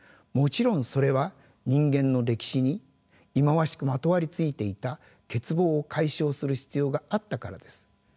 もちろんそれは人間の歴史に忌まわしくまとわりついていた欠乏を解消する必要があったからです。